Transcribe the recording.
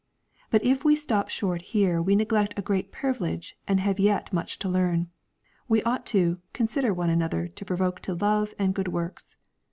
But if we stop short here we neglect a great privilege and have yet much to learn. We ought to " consider one another to provoke to love and good works."